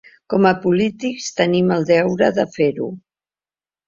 Com a polítics, tenim el deure de fer-ho.